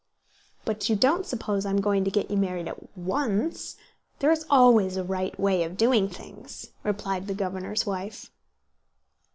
"But you don't suppose I'm going to get you married at once? There is always a right way of doing things," replied the governor's wife.